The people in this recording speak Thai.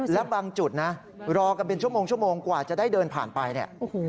และบางจุดนะรอกันเป็นชั่วโมงชั่วโมงกว่าจะได้เดินผ่านไปเนี่ยโอ้โห